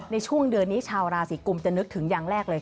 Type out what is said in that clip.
ในช่วงเดือนนี้ชาวราศีกุมจะนึกถึงอย่างแรกเลย